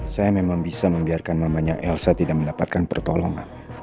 saya memang bisa membiarkan namanya elsa tidak mendapatkan pertolongan